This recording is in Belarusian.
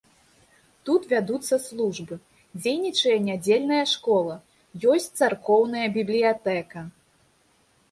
Тут вядуцца службы, дзейнічае нядзельная школа, ёсць царкоўная бібліятэка.